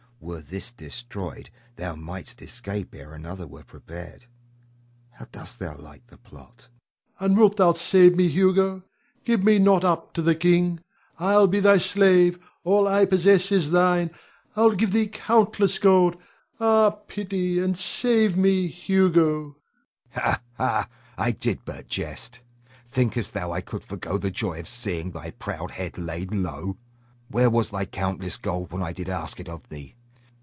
were this destroyed, thou might'st escape ere another were prepared. How dost thou like the plot? Rod. And wilt thou save me, Hugo? Give me not up to the king! I'll be thy slave. All I possess is thine. I'll give thee countless gold. Ah, pity, and save me, Hugo! Hugo. Ha, ha! I did but jest. Thinkest thou I could forego the joy of seeing thy proud head laid low? Where was thy countless gold when I did ask it of thee?